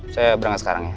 saya berangkat sekarang ya